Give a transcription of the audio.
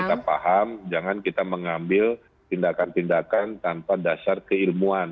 kita paham jangan kita mengambil tindakan tindakan tanpa dasar keilmuan